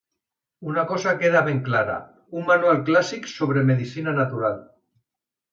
Una cosa queda ben clara: un manual clàssic sobre medicina natural.